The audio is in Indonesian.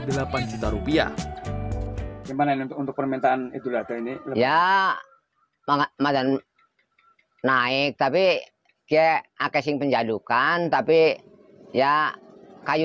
dalam sekali produksi pembuatan arang kayu ini membutuhkan waktu tujuh hari